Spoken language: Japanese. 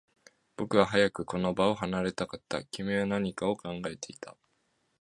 僕は早くこの場を離れたかった。君は何かを考えていた。